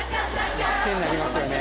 癖になりますよね